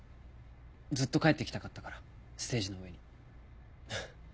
ずっと帰ってきたかったからステージの上に。